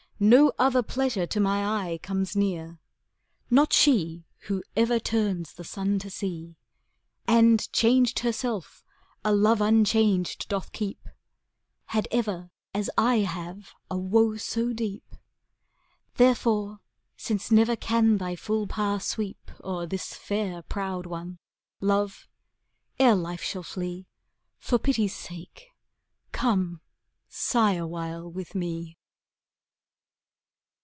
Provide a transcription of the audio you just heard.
No other pleasure to my eye comes near. Not she, who ever turns the Sun to see, And, changed herself, a love unchanged doth keep, ^° Had ever, as I have, a woe so deep; Therefore, since never can thy full power sweep O'er this fair proud one, Love, ere life shall flee. For pity's sake, come, sigh awhile with me.